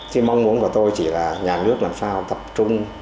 thì mong muốn của tôi chỉ là nhà nước làm sao tập trung